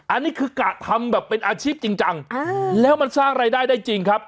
อันนี้คือกะทำแบบเป็นอาชีพจริงจังแล้วมันสร้างรายได้ได้จริงครับ